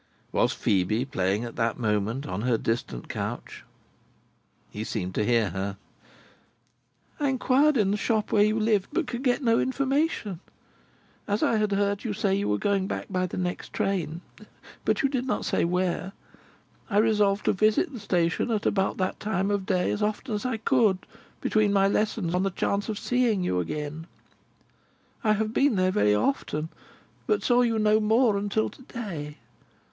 Was Phœbe playing at that moment, on her distant couch? He seemed to hear her. "I inquired in the shop where you lived, but could get no information. As I had heard you say that you were going back by the next train (but you did not say where), I resolved to visit the station at about that time of day, as often as I could, between my lessons, on the chance of seeing you again. I have been there very often, but saw you no more until to day.